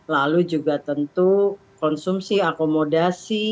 lalu juga tentu konsumsi akomodasi